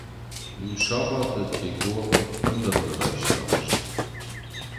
Иу сабаты Тего ӕппындӕр нӕ райста мызд.